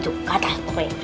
atau gitu juga